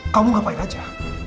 kamu ngapain aja